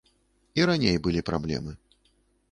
І раней былі праблемы.